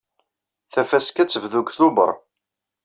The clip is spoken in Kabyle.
Tafaska ad tebdu deg Tubeṛ.